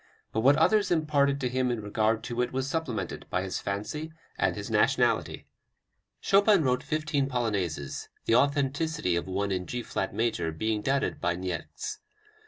But what others imparted to him in regard to it was supplemented by his fancy and his nationality." Chopin wrote fifteen Polonaises, the authenticity of one in G flat major being doubted by Niecks.